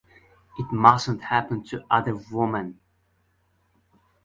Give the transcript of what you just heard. It mustn't happen to other women.